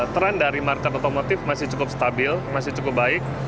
tren dari market otomotif masih cukup stabil masih cukup baik